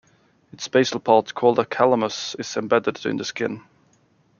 Its basal part, called a "calamus", is embedded in the skin.